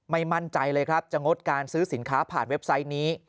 มั่นใจเลยครับจะงดการซื้อสินค้าผ่านเว็บไซต์นี้